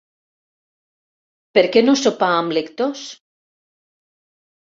Per què no sopar amb lectors?